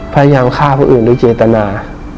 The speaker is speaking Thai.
พยายามฆ่าผู้อื่นโดยเจตนา